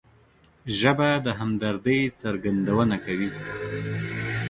ژبه د همدردۍ څرګندونه کوي